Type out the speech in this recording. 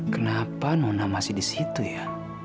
kenapa nona masih di situ ya